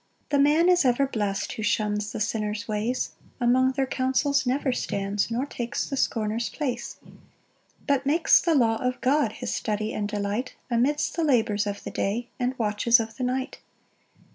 1 The man is ever blest Who shuns the sinner's ways, Among their counsels never stands, Nor takes the scorner's place; 2 But makes the Law of God His study and delight, Amidst the labours of the day, And watches of the night.